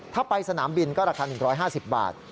ถ้าไปสนามบินก็ราคา๑๕๐บาท